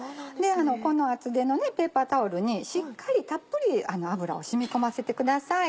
この厚手のペーパータオルにしっかりたっぷり油を染み込ませてください。